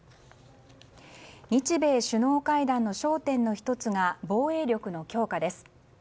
日米首脳会談の焦点の１つが防衛力の強化です。